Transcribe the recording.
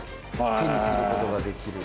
手にすることができる。